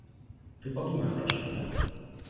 Ты подумай хорошенько.